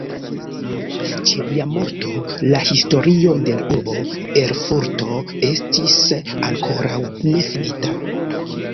Ĉe lia morto la "Historio de la urbo Erfurto" estis ankoraŭ nefinita.